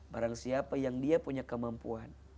barang siapa yang dia punya kemampuan